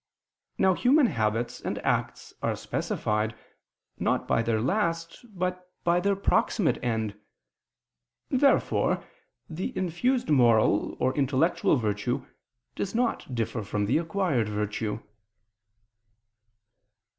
Now human habits and acts are specified, not by their last, but by their proximate end. Therefore the infused moral or intellectual virtue does not differ from the acquired virtue.